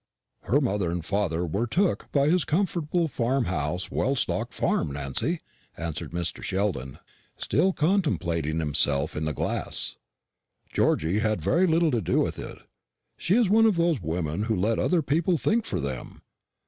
"Her mother and father were 'took' by his comfortable farmhouse and well stocked farm, Nancy," answered Mr. Sheldon, still contemplating himself in the glass. "Georgy had very little to do with it. She is one of those women who let other people think for them.